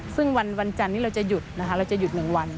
ซึ่งวันวันจันทร์นี้เราจะหยุด๑วัน